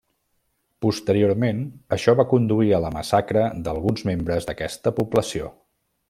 Posteriorment, això va conduir a la massacre d'alguns membres d'aquesta població.